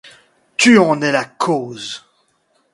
Tu en es la cause.